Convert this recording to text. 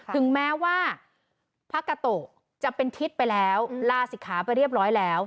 ถึงแม้ว่าพระกาโตะจะเป็นทิศไปแล้วลาศิกขาไปเรียบร้อยแล้ว